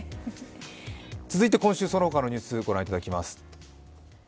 続いて今週その他のニュースご覧いただきます。